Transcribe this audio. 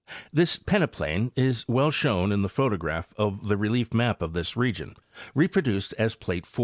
This peneplain is well shown in the photograph of the relief map of this region reproduced as plate 4.